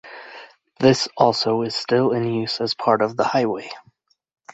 This also is still in use as part of the highway.